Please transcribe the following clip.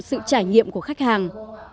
sự trải nghiệm của khách hàng